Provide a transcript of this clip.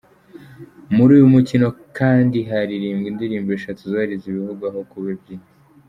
Muri uyu mukino kandi haririmbwe indirimbo eshatu zubahiriza ibihugu aho kuba ebyeri.